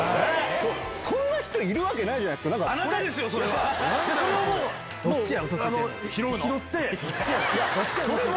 そんな人いるわけないじゃなあなたですよ、それは。